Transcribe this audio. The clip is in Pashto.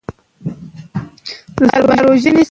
که ځواب وي نو ابهام نه پاتیږي.